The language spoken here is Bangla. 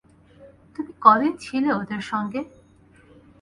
তুমি ক দিন ছিলে ওদের সঙ্গে?